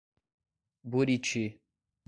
Buriti